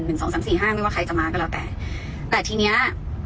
สองสามสี่ห้าไม่ว่าใครจะมาก็แล้วแต่แต่ทีเนี้ย